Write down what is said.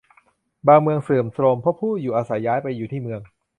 บางเมืองเสื่อมโทรมเพราะผู้อยู่อาศัยย้ายไปอยู่ที่เมือง